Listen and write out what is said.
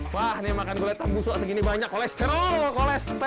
wah ini makan goreng tambusok segini banyak kolesterol kolesterol